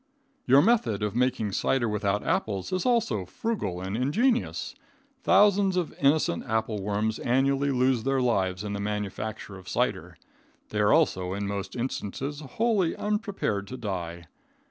Your method of making cider without apples is also frugal and ingenious. Thousands of innocent apple worms annually lose their lives in the manufacture of cider. They are also, in most instances, wholly unprepared to die.